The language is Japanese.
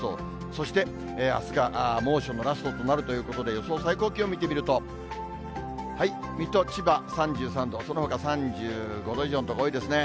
そしてあすが猛暑のラストとなるということで、予想最高気温を見てみると、水戸、千葉３３度、そのほか３５度以上の所が多いですね。